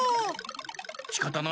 しかたない。